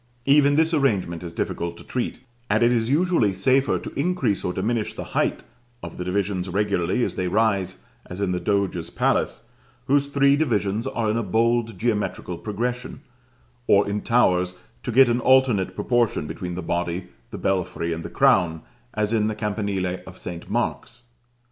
Even this arrangement is difficult to treat; and it is usually safer to increase or diminish the height of the divisions regularly as they rise, as in the Doge's Palace, whose three divisions are in a bold geometrical progression: or, in towers, to get an alternate proportion between the body, the belfry, and the crown, as in the campanile of St. Mark's.